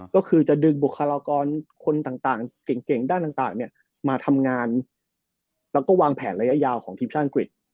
ก็คือจะดึงบุคลากรคนต่างเก่งด้านต่างมาทำงานแล้วก็วางแผนระยะยาวของทีมชาติอังกฤษ